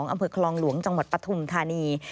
อำเภอคลองหลวงจังหวัดปฐุมธานี